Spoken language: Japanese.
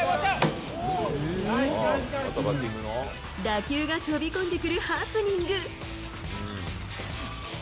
打球が飛び込んでくるハプニング。